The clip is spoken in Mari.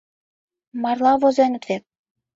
МАРЛА ВОЗЕНЫТ ВЕТ...